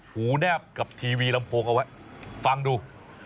หูแนบกับทีวีลำโพงเอาไว้ฟังดู